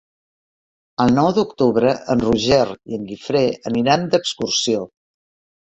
El nou d'octubre en Roger i en Guifré aniran d'excursió.